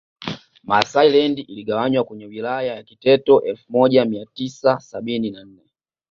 Maasai land iligawanywa kwenye Wilaya ya Kiteto elfu moja mia tisa sabini na nne